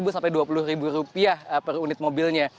lima belas sampai dua puluh rupiah per unit mobilnya